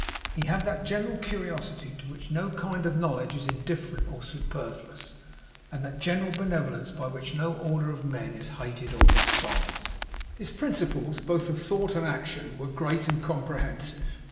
He had that general curiosity to which no kind of knowledge is indifferent or superfluous; and that general benevolence by which no order of men is hated or despised. His principles both of thought and action were great and comprehensive.